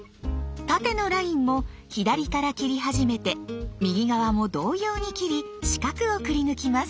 縦のラインも左から切り始めて右側も同様に切り四角をくりぬきます。